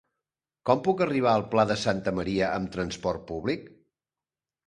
Com puc arribar al Pla de Santa Maria amb trasport públic?